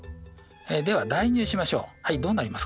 では代入しましょうどうなりますか？